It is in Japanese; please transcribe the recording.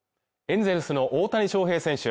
エンゼルスの大谷翔平選手